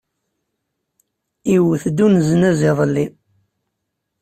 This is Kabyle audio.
Iwet-d uneznaz iḍelli.